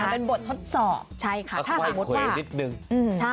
เป็นบททดสอบ